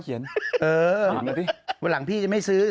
สิวันหลังพี่จะไม่ซื้อ